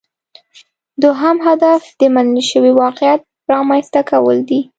دوهم هدف د منل شوي واقعیت رامینځته کول دي